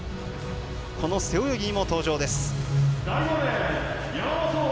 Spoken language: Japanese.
この背泳ぎにも登場です。